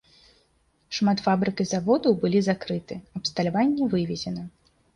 Шмат фабрык і заводаў былі закрыты, абсталяванне вывезена.